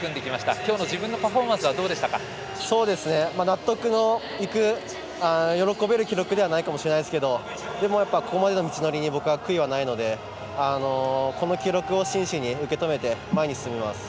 きょうの自分のパフォーマンスは納得のいく喜べる記録ではないかもしれないですけどここまでの道のりに僕は悔いはないのでこの記録を真摯に受け止めて前に進みます。